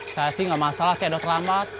saya sih gak masalah cee doh terlambat